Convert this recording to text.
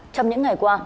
trong những ngày qua